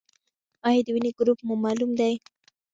ایا د وینې ګروپ مو معلوم دی؟